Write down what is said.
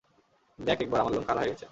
দেখ একবার, আমার লোম খাড়া হয়ে গেছে।